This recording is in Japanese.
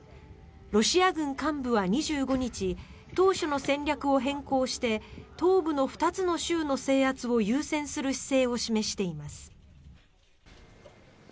ロシア軍幹部は２５日当初の戦略を変更して東部の２つの州の制圧を優先する姿勢を示しています。